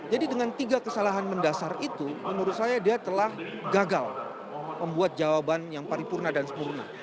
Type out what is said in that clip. jadi dengan tiga kesalahan mendasar itu menurut saya dia telah gagal membuat jawaban yang paripurna dan sempurna